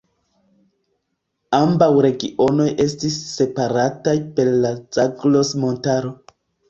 Ambaŭ regionoj estis separataj per la Zagros-montaro.